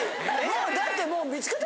もうだってもう。